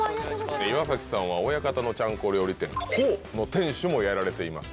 岩崎さんは親方のちゃんこ料理店「鵬」の店主もやられています。